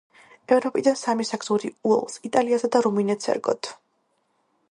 ევროპიდან სამი საგზური უელსს, იტალიასა და რუმინეთს ერგოთ.